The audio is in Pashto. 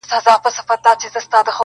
اوس پر څه دي جوړي کړي غلبلې دي -